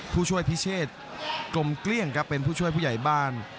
ผู้ช่วยพิเชษกลมเกลี้ยงครับเป็นผู้ช่วยผู้ใหญ่บ้าน